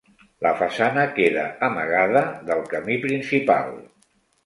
La façana queda amagada del camí principal.